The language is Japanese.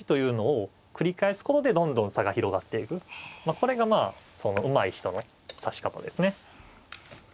これがまあうまい人の指し方ですね。